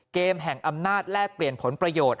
เกมแห่งอำนาจแลกเปลี่ยนผลประโยชน์